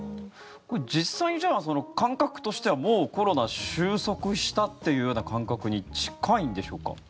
実際に感覚としてはもうコロナ収束したっていう感覚に近いんでしょうか？